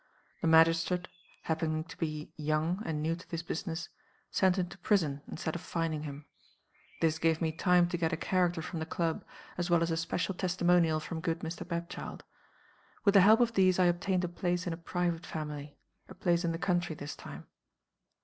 The magistrate (happening to be young, and new to his business) sent him to prison, instead of fining him. This gave me time to get a character from the club, as well as a special testimonial from good Mr. Bapchild. With the help of these, I obtained a place in a private family a place in the country, this time.